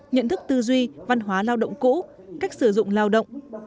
nhận thức tư duy văn hóa lao động cũ cách sử dụng lao động